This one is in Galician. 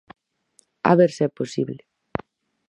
A ver se é posible.